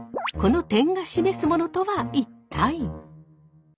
この点が示すものとは一体？